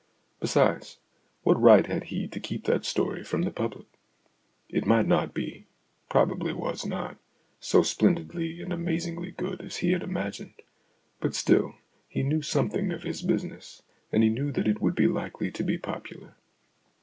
Besides, what right had he to keep that story from the public ? It might not be probably was not so splendidly and amazingly good as he had imagined, but still he knew something of his business, and he knew that it would be likely to be popular.